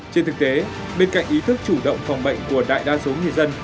trên thực tế bên cạnh ý thức chủ động phòng bệnh của đại đa số người dân